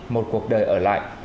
một cuộc đời ở lại